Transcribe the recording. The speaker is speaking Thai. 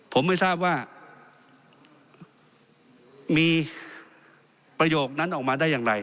ผมไม่ทราบว่ามีประโยคนั้นออกมาได้อย่างไร